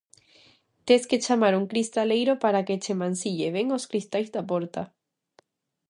Tes que chamar un cristaleiro para que che enmasille ben os cristais da porta.